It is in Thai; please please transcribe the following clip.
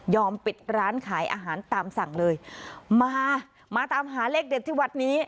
ปิดร้านขายอาหารตามสั่งเลยมามาตามหาเลขเด็ดที่วัดนี้